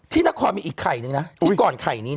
ที่นครมีอีกไข่หนึ่งนะที่ก่อนไข่นี้ก่อน